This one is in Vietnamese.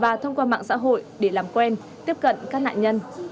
và thông qua mạng xã hội để làm quen tiếp cận các nạn nhân